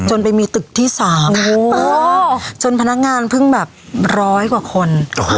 จนไปมีตึกที่๓จนพนักงานเพิ่งแบบร้อยกว่าคน